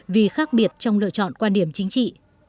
vì khác biệt trong lựa chọn quan điểm chính trị